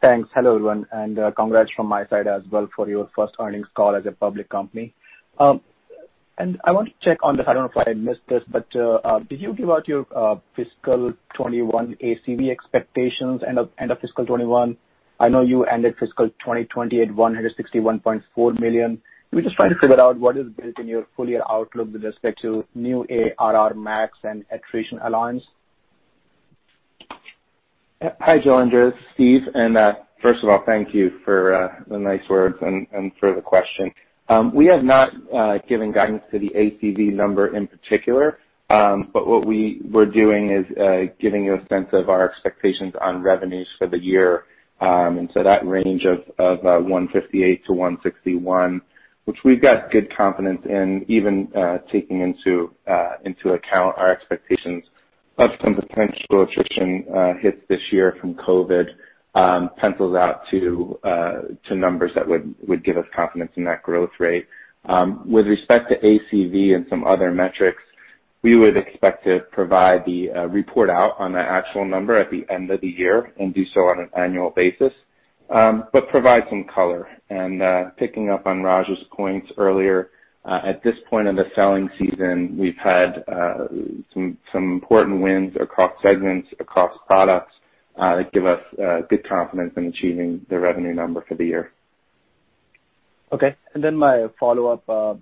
Thanks. Hello, everyone, and congrats from my side as well for your first earnings call as a public company. I want to check on this. I don't know if I missed this, but did you give out your fiscal 2021 ACV expectations end of fiscal 2021? I know you ended fiscal 2020 at $161.4 million. We're just trying to figure out what is built in your full-year outlook with respect to new ARR max and attrition allowance. Hi, Jailendra Singh. Steve. First of all, thank you for the nice words and for the question. We have not given guidance to the ACV number in particular. What we're doing is giving you a sense of our expectations on revenues for the year. That range of $158-$161, which we've got good confidence in even taking into account our expectations of some potential attrition hits this year from COVID-19, pencils out to numbers that would give us confidence in that growth rate. With respect to ACV and some other metrics, we would expect to provide the report out on the actual number at the end of the year and do so on an annual basis, but provide some color. Picking up on Raj's points earlier, at this point in the selling season, we've had some important wins across segments, across products, that give us good confidence in achieving the revenue number for the year. Okay. My follow-up,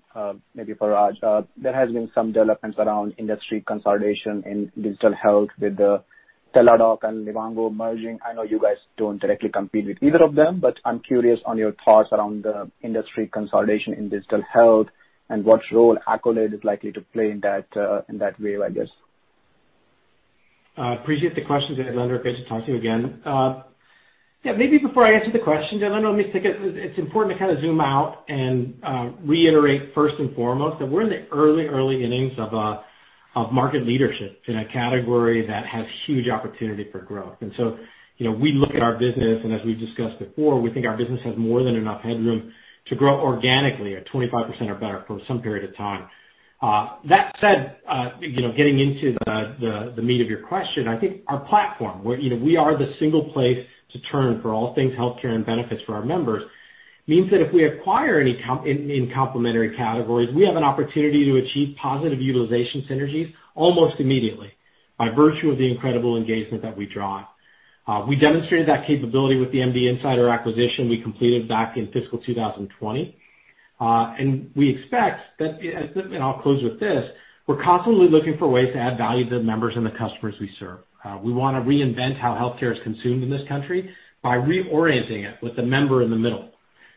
maybe for Raj. There has been some developments around industry consolidation in digital health with the Teladoc and Livongo merging. I know you guys don't directly compete with either of them. I'm curious on your thoughts around the industry consolidation in digital health and what role Accolade is likely to play in that wave, I guess. Appreciate the question, Jailendra Singh. Great to talk to you again. Yeah, maybe before I answer the question, Jailendra Singh, let me just take it's important to kind of zoom out and reiterate first and foremost that we're in the early innings of market leadership in a category that has huge opportunity for growth. We look at our business, and as we discussed before, we think our business has more than enough headroom to grow organically at 25% or better for some period of time. That said, getting into the meat of your question, I think our platform, we are the single place to turn for all things healthcare and benefits for our members, means that if we acquire any in complementary categories, we have an opportunity to achieve positive utilization synergies almost immediately by virtue of the incredible engagement that we draw. We demonstrated that capability with the MD Insider acquisition we completed back in fiscal 2020. We expect that, and I'll close with this, we're constantly looking for ways to add value to the members and the customers we serve. We want to reinvent how healthcare is consumed in this country by reorienting it with the member in the middle.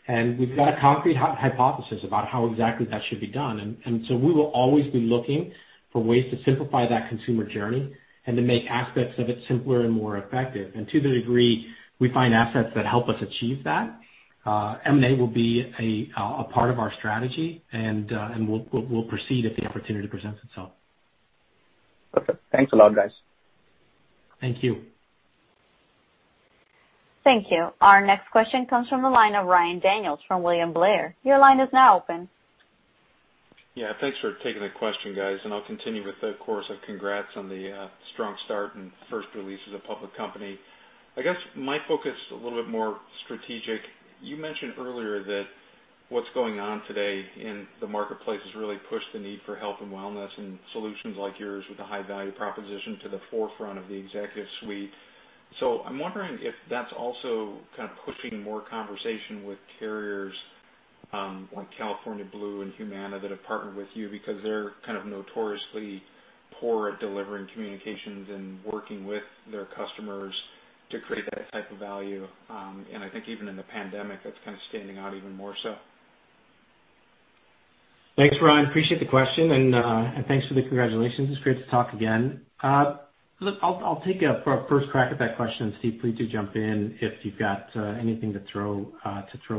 We've got a concrete hypothesis about how exactly that should be done. We will always be looking for ways to simplify that consumer journey and to make aspects of it simpler and more effective. To the degree we find assets that help us achieve that, M&A will be a part of our strategy, and we'll proceed if the opportunity presents itself. Perfect. Thanks a lot, guys. Thank you. Thank you. Our next question comes from the line of Ryan Daniels from William Blair. Your line is now open. Yeah. Thanks for taking the question, guys. I'll continue with the chorus of congrats on the strong start and first release as a public company. I guess my focus is a little bit more strategic. You mentioned earlier that what's going on today in the marketplace has really pushed the need for health and wellness and solutions like yours with a high value proposition to the forefront of the executive suite. I'm wondering if that's also kind of pushing more conversation with carriers, like Blue Shield of California and Humana that have partnered with you because they're kind of notoriously poor at delivering communications and working with their customers to create that type of value. I think even in the pandemic, that's kind of standing out even more so. Thanks, Ryan, appreciate the question, and thanks for the congratulations. It's great to talk again. Look, I'll take a first crack at that question, and Steve, please do jump in if you've got anything to throw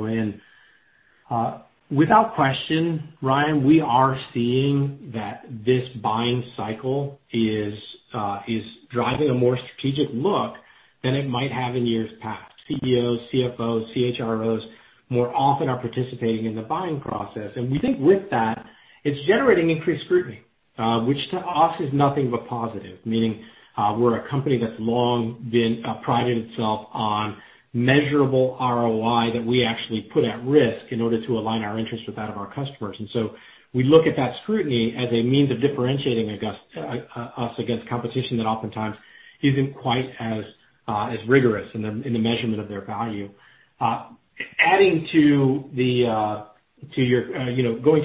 in. Without question, Ryan, we are seeing that this buying cycle is driving a more strategic look than it might have in years past. CEOs, CFOs, CHROs more often are participating in the buying process. We think with that, it's generating increased scrutiny. Which to us is nothing but positive, meaning, we're a company that's long prided itself on measurable ROI that we actually put at risk in order to align our interests with that of our customers. We look at that scrutiny as a means of differentiating us against competition that oftentimes isn't quite as rigorous in the measurement of their value. Going to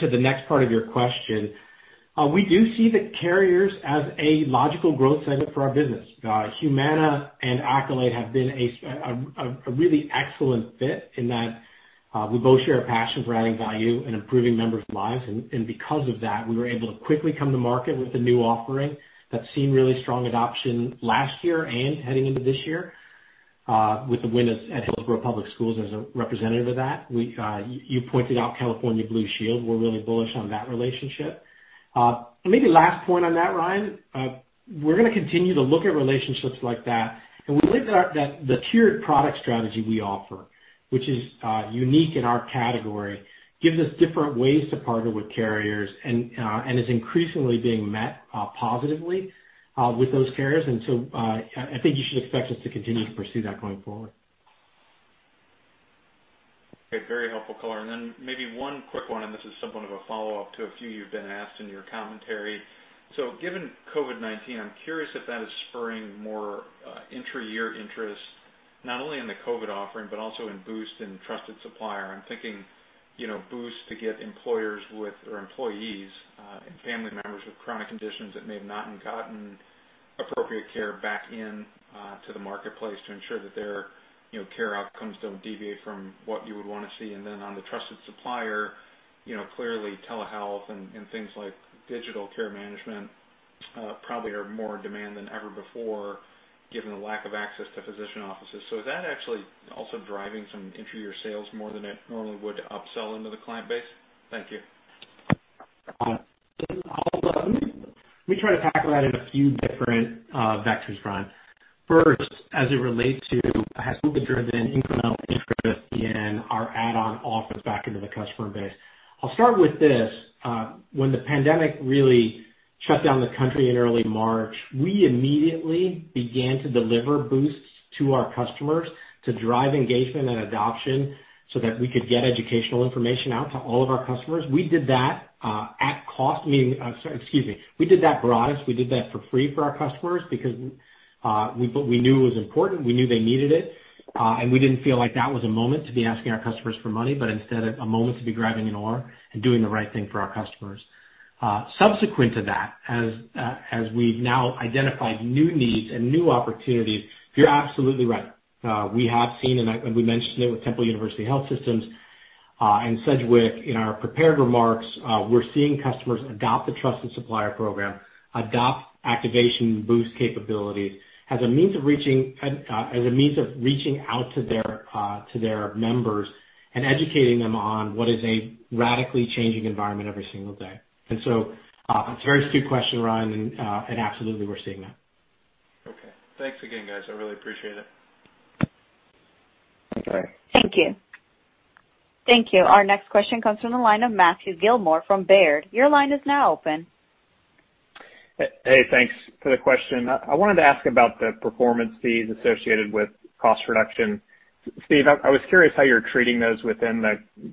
the next part of your question, we do see the carriers as a logical growth segment for our business. Humana and Accolade have been a really excellent fit in that we both share a passion for adding value and improving members' lives. Because of that, we were able to quickly come to market with a new offering that's seen really strong adoption last year and heading into this year. The win at Hillsborough County Public Schools as a representative of that. You pointed out Blue Shield of California, we're really bullish on that relationship. Last point on that, Ryan, we're going to continue to look at relationships like that. We believe that the tiered product strategy we offer, which is unique in our category, gives us different ways to partner with carriers and is increasingly being met positively with those carriers. I think you should expect us to continue to pursue that going forward. Okay. Very helpful, Color. Maybe one quick one, and this is somewhat of a follow-up to a few you've been asked in your commentary. Given COVID-19, I'm curious if that is spurring more intra-year interest, not only in the COVID offering, but also in Boost and Trusted Supplier. I'm thinking Boost to get employers with their employees, and family members with chronic conditions that may have not gotten appropriate care back into the marketplace to ensure that their care outcomes don't deviate from what you would want to see. On the Trusted Supplier, clearly telehealth and things like digital care management probably are more in demand than ever before, given the lack of access to physician offices. Is that actually also driving some intra-year sales more than it normally would to upsell into the client base? Thank you. We try to tackle that in a few different vectors, Ryan. First, as it relates to has COVID driven incremental interest in our add-on offers back into the customer base. I'll start with this. When the pandemic really shut down the country in early March, we immediately began to deliver Boosts to our customers to drive engagement and adoption so that we could get educational information out to all of our customers. We did that at cost. Excuse me. We did that for free for our customers because we knew it was important, we knew they needed it, and we didn't feel like that was a moment to be asking our customers for money, but instead, a moment to be grabbing an oar and doing the right thing for our customers. Subsequent to that, as we've now identified new needs and new opportunities, you're absolutely right. We have seen, and we mentioned it with Temple University Health System, and Sedgwick in our prepared remarks we're seeing customers adopt the Trusted Supplier Program, adopt Accolade Boost capabilities as a means of reaching out to their members and educating them on what is a radically changing environment every single day. It's a very astute question, Ryan, and absolutely, we're seeing that. Okay. Thanks again, guys. I really appreciate it. Okay. Thank you. Thank you. Our next question comes from the line of Matthew Gillmor from Baird. Your line is now open. Hey, thanks for the question. I wanted to ask about the performance fees associated with cost reduction. Steve, I was curious how you're treating those within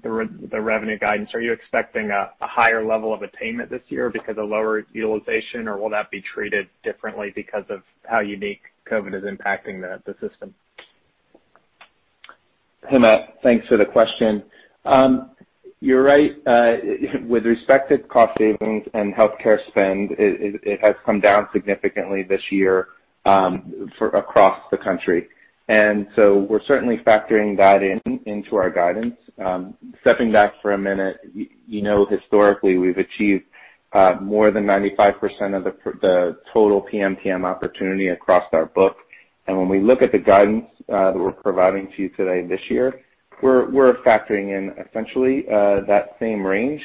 the revenue guidance. Are you expecting a higher level of attainment this year because of lower utilization, or will that be treated differently because of how unique COVID is impacting the system? Hey, Matt. Thanks for the question. You're right. With respect to cost savings and healthcare spend, it has come down significantly this year across the country. We're certainly factoring that into our guidance. Stepping back for a minute, you know historically, we've achieved more than 95% of the total PMPM opportunity across our book. When we look at the guidance that we're providing to you today this year, we're factoring in essentially that same range,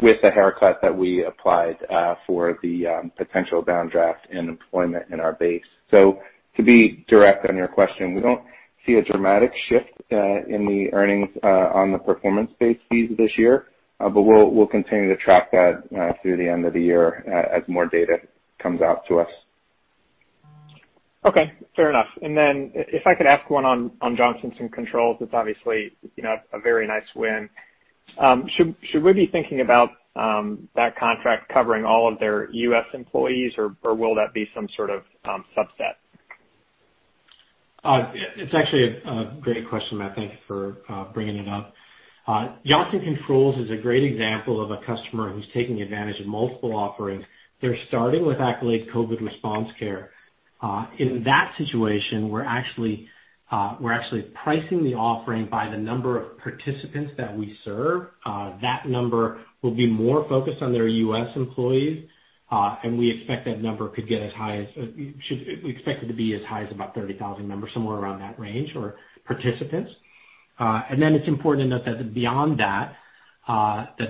with the haircut that we applied for the potential downdraft in employment in our base. To be direct on your question, we don't see a dramatic shift in the earnings on the performance-based fees this year. We'll continue to track that through the end of the year as more data comes out to us. Okay, fair enough. If I could ask one on Johnson Controls, it's obviously a very nice win. Should we be thinking about that contract covering all of their U.S. employees, or will that be some sort of subset? It's actually a great question, Matthew. Thank you for bringing it up. Johnson Controls is a great example of a customer who's taking advantage of multiple offerings. They're starting with Accolade COVID Response Care. In that situation, we're actually pricing the offering by the number of participants that we serve. That number will be more focused on their U.S. employees, we expect it to be as high as about 30,000 members, somewhere around that range for participants. It's important to note that beyond that,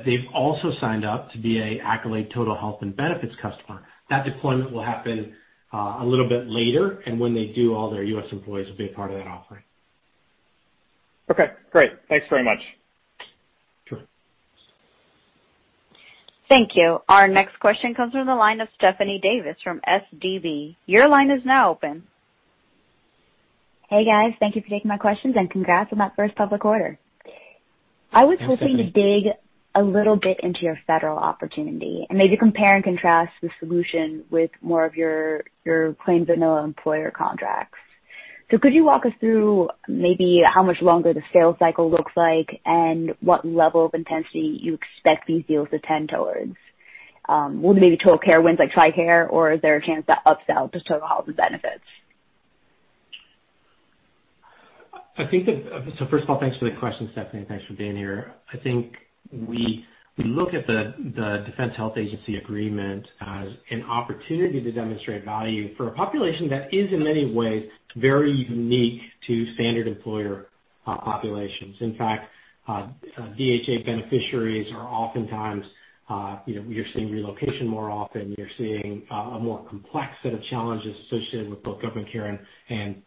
they've also signed up to be an Accolade Total Health and Benefits customer. That deployment will happen a little bit later, and when they do, all their U.S. employees will be a part of that offering. Okay, great. Thanks very much. Sure. Thank you. Our next question comes from the line of Stephanie Davis from SVB. Hey, guys. Thank you for taking my questions, and congrats on that first public order. Thanks, Stephanie. I was hoping to dig a little bit into your federal opportunity and maybe compare and contrast the solution with more of your plain vanilla employer contracts. Could you walk us through maybe how much longer the sales cycle looks like and what level of intensity you expect these deals to tend towards? Will there be Total Care wins like TRICARE, or is there a chance to upsell to Total Health and Benefits? First of all, thanks for the question, Stephanie, and thanks for being here. I think we look at the Defense Health Agency agreement as an opportunity to demonstrate value for a population that is in many ways very unique to standard employer populations. In fact, DHA beneficiaries are oftentimes, you're seeing relocation more often. You're seeing a more complex set of challenges associated with both government care and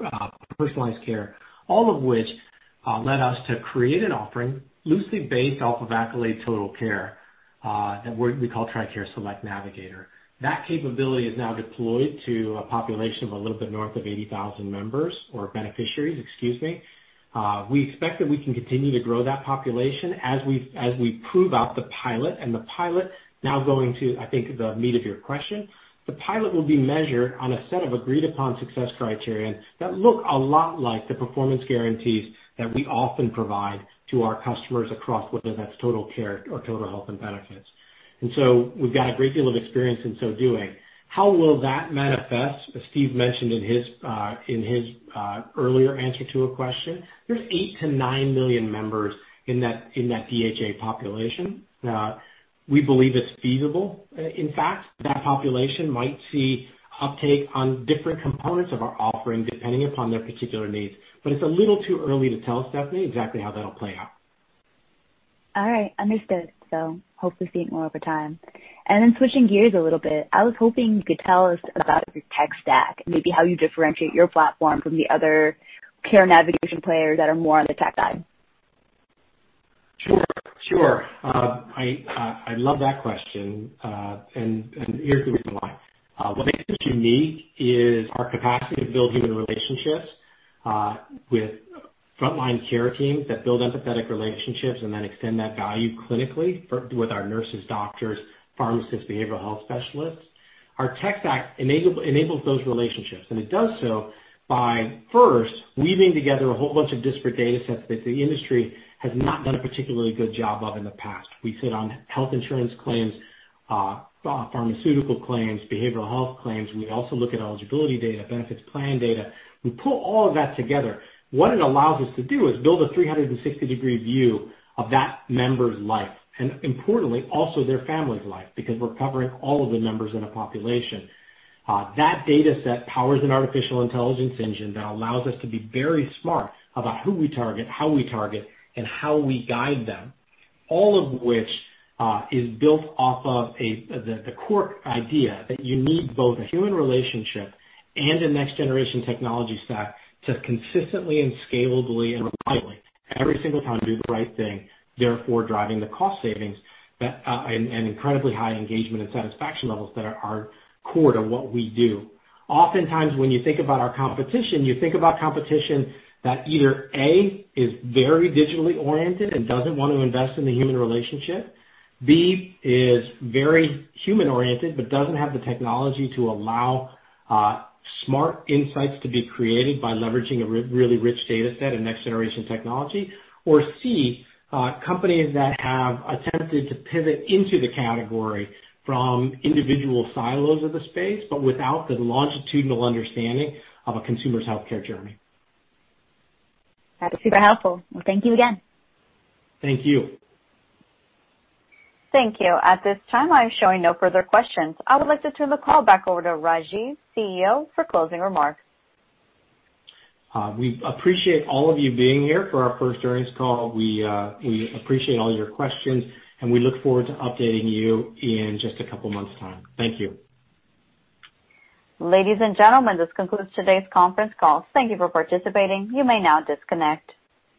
personalized care, all of which led us to create an offering loosely based off of Accolade Total Care, that we call TRICARE Select Navigator. That capability is now deployed to a population of a little bit north of 80,000 members or beneficiaries, excuse me. We expect that we can continue to grow that population as we prove out the pilot and the pilot now going to, I think, the meat of your question. The pilot will be measured on a set of agreed-upon success criterion that look a lot like the performance guarantees that we often provide to our customers across, whether that's Accolade Total Care or Accolade Total Health and Benefits. We've got a great deal of experience in so doing. How will that manifest? As Steve mentioned in his earlier answer to a question, there's 8-9 million members in that DHA population. We believe it's feasible. In fact, that population might see uptake on different components of our offering depending upon their particular needs. It's a little too early to tell, Stephanie, exactly how that'll play out. All right. Understood. Hopefully seeing more over time. Switching gears a little bit, I was hoping you could tell us about your tech stack, maybe how you differentiate your platform from the other care navigation players that are more on the tech side. Sure. I love that question. Here's the reason why. What makes us unique is our capacity to build human relationships with frontline care teams that build empathetic relationships and then extend that value clinically with our nurses, doctors, pharmacists, behavioral health specialists. Our tech stack enables those relationships, and it does so by first weaving together a whole bunch of disparate datasets that the industry has not done a particularly good job of in the past. We sit on health insurance claims, pharmaceutical claims, behavioral health claims. We also look at eligibility data, benefits plan data. We pull all of that together. What it allows us to do is build a 360-degree view of that member's life, and importantly, also their family's life, because we're covering all of the members in a population That dataset powers an artificial intelligence engine that allows us to be very smart about who we target, how we target, and how we guide them. All of which is built off of the core idea that you need both a human relationship and a next generation technology stack to consistently and scalably and reliably, every single time, do the right thing, therefore driving the cost savings and incredibly high engagement and satisfaction levels that are core to what we do. Oftentimes, when you think about our competition, you think about competition that either, A, is very digitally oriented and doesn't want to invest in the human relationship. B is very human oriented, but doesn't have the technology to allow smart insights to be created by leveraging a really rich dataset and next generation technology or C, companies that have attempted to pivot into the category from individual silos of the space, but without the longitudinal understanding of a consumer's healthcare journey. That's super helpful. Thank you again. Thank you. Thank you. At this time, I'm showing no further questions. I would like to turn the call back over to Rajeev, CEO, for closing remarks. We appreciate all of you being here for our first earnings call. We appreciate all your questions, and we look forward to updating you in just a couple months' time. Thank you. Ladies and gentlemen, this concludes today's conference call. Thank you for participating. You may now disconnect.